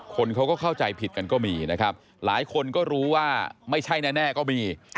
คนเขาก็เข้าใจผิดกันก็มีนะครับหลายคนก็รู้ว่าไม่ใช่แน่ก็มี